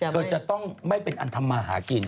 เธอจะต้องไม่เป็นอันทำมาหากิน